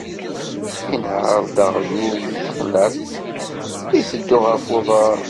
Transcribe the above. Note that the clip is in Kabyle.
Inher-d aɣyul deg teqlaṭ, iteddu ɣef uḍar.